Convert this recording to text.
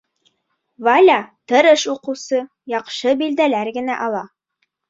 Валя — тырыш уҡыусы, яҡшы билдәләр генә ала.